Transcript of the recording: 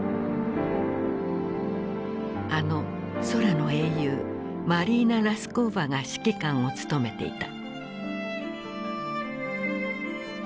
あの空の英雄マリーナ・ラスコーヴァが指揮官を務めていた。